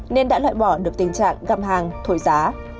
nên đã loại bỏ được tình trạng găm hàng thổi giá